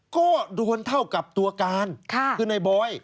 ก็โดนเท่ากับตัวการคือในบอย